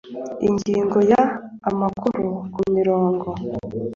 Ingingo ya amakuru ku mirongo